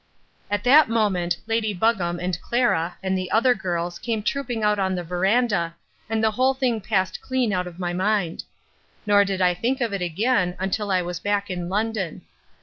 At that moment Lady Buggam and Clara and the other girls came trooping out on the verandah, and the whole thing passed clean out of my mind. Nor did I think of it again until I was back in London.